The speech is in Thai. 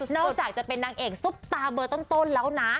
อกจากจะเป็นนางเอกซุปตาเบอร์ต้นแล้วนะ